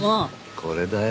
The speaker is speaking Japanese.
これだよ。